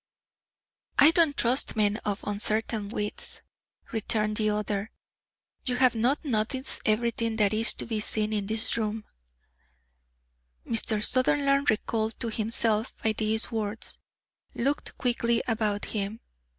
"I don't trust men of uncertain wits," returned the other. "You have not noticed everything that is to be seen in this room." Mr. Sutherland, recalled to himself by these words, looked quickly about him.